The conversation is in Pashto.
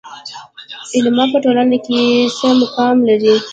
علما په ټولنه کې څه مقام لري؟